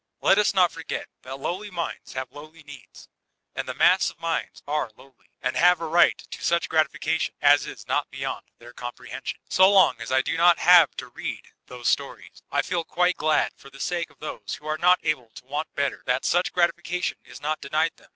Let us not for get that lowly minds have lowly needs ; and the mass of minds are lowly, and have a right to such gratificatkai as is not beyond their comprehension. So long as I do not have to read those stories, I feel quite gbd for die sake of those who are not able to want better that sodi gratification is not denied them.